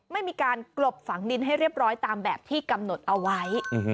ไม่มีการกลบฝังดินให้เรียบร้อยตามแบบที่กำหนดเอาไว้